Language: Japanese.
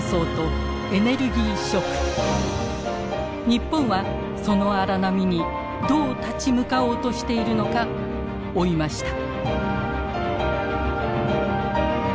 日本はその荒波にどう立ち向かおうとしているのか追いました。